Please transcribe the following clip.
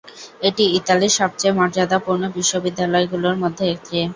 এটি ইতালির সবচেয়ে মর্যাদাপূর্ণ বিশ্ববিদ্যালয়গুলোর মধ্যে একটি।